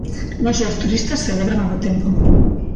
Non só os turistas celebran o bo tempo.